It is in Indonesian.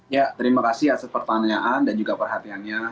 ya terima kasih atas pertanyaan dan juga perhatiannya